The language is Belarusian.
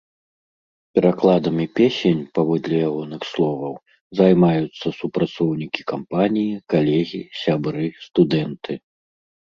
Перакладамі песень, паводле ягоных словаў, займаюцца супрацоўнікі кампаніі, калегі, сябры, студэнты.